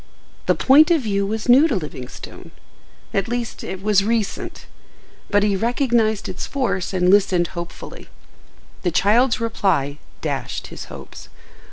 The point of view was new to Livingstone—at least, it was recent; but he recognized its force and listened hopefully. The child's reply dashed his hopes.